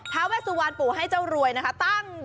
ทาเวสสุวรรณปู่ให้เจ้ารวยนะคะ